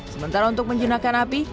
sementara untuk menjinakkan api